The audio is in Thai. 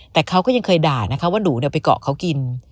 แต่เขาก็ยังเคยด่านะคะว่าหนูไปเกาะเขากิน